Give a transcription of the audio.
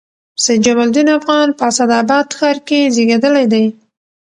سید جمال الدین افغان په اسعداباد ښار کښي زېږېدلي دئ.